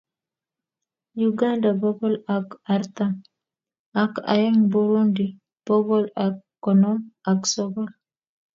Uganda bogol ak artam ak aeng Burundi bogol ak konom ak sogol